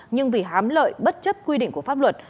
nhưng vì hám lợi bất chấp quy định của pháp luật